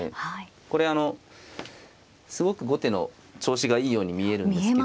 これあのすごく後手の調子がいいように見えるんですけど。